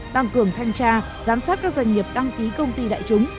tăng cường thanh tra giám sát các doanh nghiệp đăng ký công ty đại chúng